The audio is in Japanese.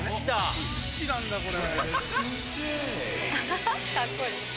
好きなんだこれ。